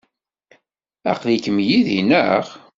Aql-ikem yid-i, naɣ?